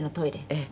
「ええ。